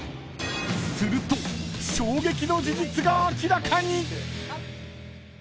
［すると衝撃の事実が明らかに！］